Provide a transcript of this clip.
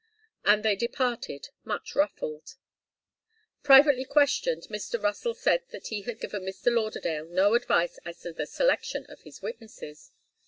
And they departed, much ruffled. Privately questioned, Mr. Russell said that he had given Mr. Lauderdale no advice as to the selection of his witnesses.